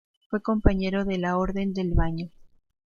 Fue compañero de la Orden del Baño.